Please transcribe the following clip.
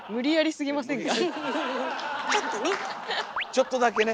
ちょっとだけね。